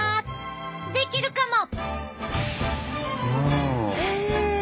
できるかも！